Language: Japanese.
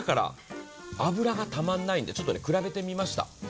脂がたまらないので、ちょっと比べてみました。